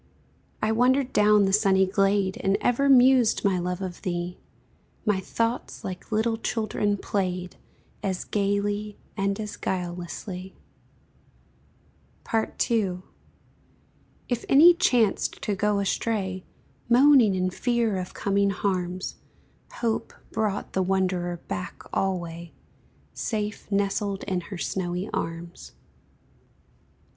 I wandered down the sunny glade And ever mused, my love, of thee; My thoughts, like little children, played, As gayly and as guilelessly. II. If any chanced to go astray, Moaning in fear of coming harms, Hope brought the wanderer back alway, Safe nestled in her snowy arms.